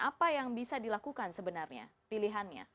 apa yang bisa dilakukan sebenarnya pilihannya